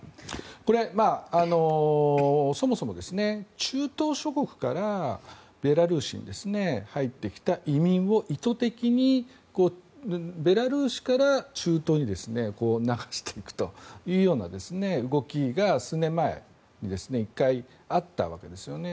これ、そもそも中東諸国からベラルーシに入ってきた移民を意図的にベラルーシから中東に流していくというような動きが数年前に１回あったわけですよね。